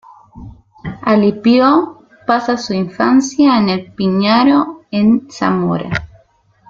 Alipio pasa su infancia en El Piñero en Zamora.